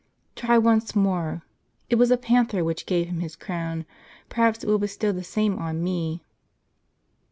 Try once more ; it was a panther Avhich gave him his crown ; perhaps it will bestow the same on me."